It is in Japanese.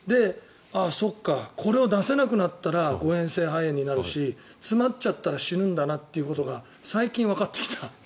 そうか、これを出せなくなったら誤嚥性肺炎になるし詰まっちゃったら死ぬんだなということが最近、わかってきた。